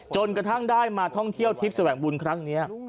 จนกระทั่งได้มาท่องเที่ยวทิพย์แสวงบุญครั้งนี้